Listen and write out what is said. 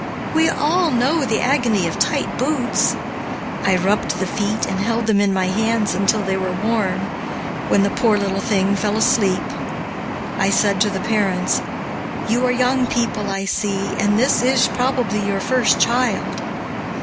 We all know the agony of tight boots. I rubbed the feet and held them in my hands until they were warm, when the poor little thing fell asleep. I said to the parents, "You are young people, I see, and this is probably your first child."